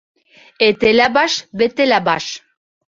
Эте лә баш, бете лә баш.